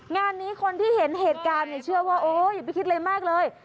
งานนี้คนที่เห็นเหตุการณ์เนี่ยเชื่อว่าโอ๊ยอย่าไปคิดอะไรมากเลย